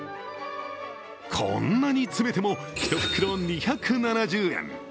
こんなに積めても１袋２７０円。